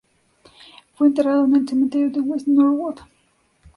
Fue enterrado en el cementerio de West Norwood.